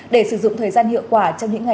để sử dụng thời gian hiệu quả trong những ngày